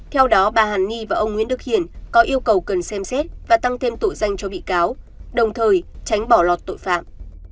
theo đó bà hàn ni và ông nguyễn đức hiển có yêu cầu cần xem xét và tăng thêm tội danh cho bị cáo đồng thời tránh bỏ lọt tội phạm